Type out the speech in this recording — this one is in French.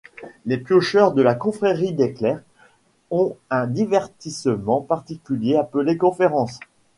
Les piocheurs de la confrérie des clercs ont un divertissement particulier appelé conférence.